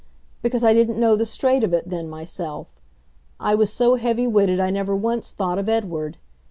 Because I didn't know the straight of it, then, myself. I was so heavy witted I never once thought of Edward.